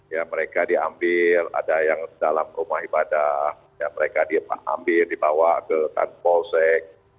ya mereka diambil ada yang dalam rumah ibadah mereka diambil dibawa ke kantor polsek